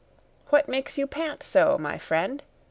'What makes you pant so, my friend?